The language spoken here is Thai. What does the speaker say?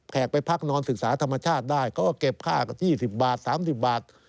ไปพักนอนศึกษาธรรมชาติได้เขาก็เก็บค่ากับ๒๐บาท๓๐บาท